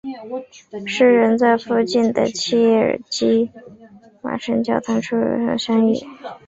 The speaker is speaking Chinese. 诗人在附近的切尔基的圣玛格丽塔教堂初次与贝阿特丽切相遇。